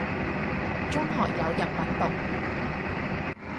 中學有日文讀